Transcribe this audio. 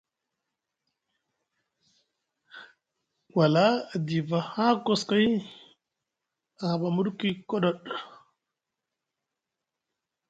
Wala a diiva haa koskoy a haɓa mudukwi koduɗ.